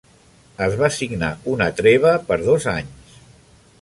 Es va signar una treva per dos anys.